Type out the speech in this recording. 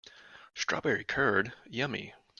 Strawberry curd, yummy!